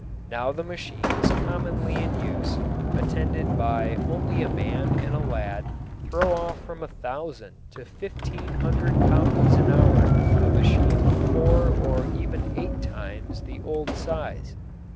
Now the machines commonly in use, attended by only a man and a lad, throw off from a thousand to fifteen hundred copies in an hour of a sheet four or even eight times the old size.